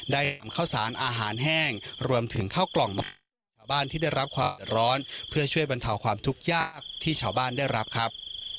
นำข้าวสารอาหารแห้งรวมถึงข้าวกล่องมาให้ชาวบ้านที่ได้รับความร้อนเพื่อช่วยบรรเทาความทุกข์ยากที่ชาวบ้านได้รับครับ